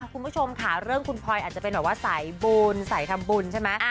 คุณผู้ชมค่ะเรื่องคุณพลอยอาจจะเป็นแบบว่าสายบุญสายทำบุญใช่ไหม